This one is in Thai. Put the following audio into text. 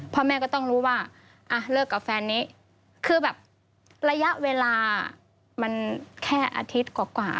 พ่อแม่ก็ต้องรู้ว่าอ่ะเลิกกับแฟนนี้คือแบบระยะเวลามันแค่อาทิตย์กว่า